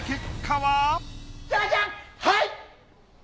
はい！